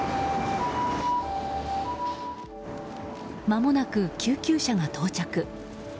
まもなく救急車が到着。